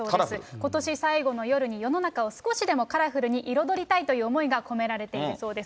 ことし最後の夜に、世の中を少しでもカラフルに彩りたいという思いが込められているそうです。